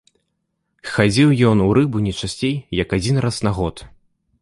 Хадзіў ён у рыбу не часцей як адзін раз на год.